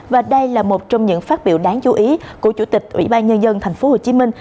và đây là một trong những phát biểu đáng chú ý của chủ tịch ủy ban nhân dân thành phố hồ chí minh